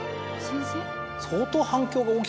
相当。